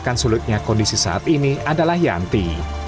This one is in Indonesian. akan sulitnya kondisi saat ini adalah yanti